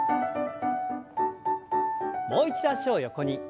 もう一度脚を横に。